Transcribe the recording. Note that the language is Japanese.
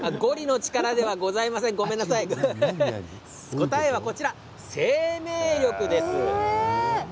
答えは生命力です。